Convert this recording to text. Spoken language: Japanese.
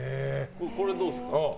これはどうですか。